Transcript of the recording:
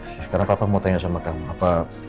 sekarang apa mau tanya sama kamu apa